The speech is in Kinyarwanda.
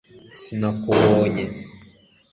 sinakubonye